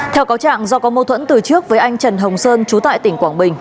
theo cáo trạng do có mâu thuẫn từ trước với anh trần hồng sơn trú tại tỉnh quảng bình